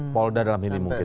polda dalam ini mungkin